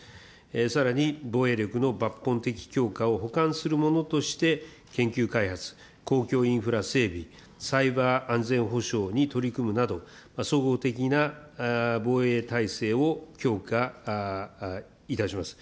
さらに、防衛力の抜本的強化を補完するものとして研究開発、公共インフラ整備、サイバー安全保障に取り組むなど、総合的な防衛体制を強化いたします。